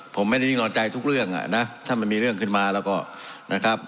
ผมไม่ได้นิ่งนอนใจทุกเรื่องอ่ะนะถ้ามันมีเรื่องขึ้นมาแล้วก็นะครับ